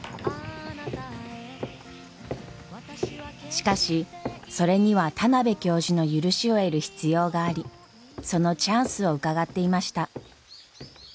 しかしそれには田邊教授の許しを得る必要がありそのチャンスをうかがっていました。